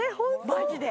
マジで！